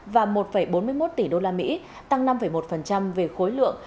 và một bốn mươi một tỷ usd tăng năm một về khối lượng